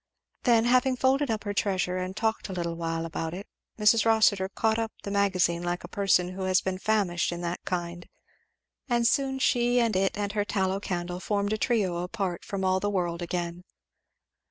Then, having folded up her treasure and talked a little while about it, Mrs. Rossitur caught up the Magazine like a person who had been famished in that kind; and soon she and it and her tallow candle formed a trio apart from all the world again.